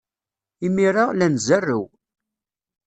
Imir-a, la nzerrew.